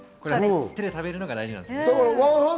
手で食べるのが大事ですね。